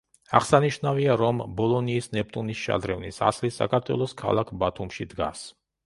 აღსანიშნავია, რომ ბოლონიის ნეპტუნის შადრევნის ასლი, საქართველოს ქალაქ ბათუმში დგას.